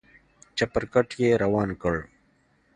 چپرکټ يې روان کړ.